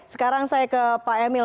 sekarang saya ke pak emil